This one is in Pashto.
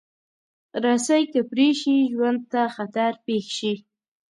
رسۍ که پرې شي، ژوند ته خطر پېښ شي.